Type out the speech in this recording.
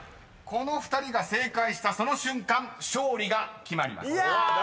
この２人が正解したその瞬間勝利が決まります］